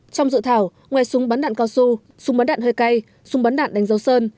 trong dự thảo ngoài súng bắn đạn cao su súng bắn đạn hơi cay súng bắn đạn đánh dấu sơn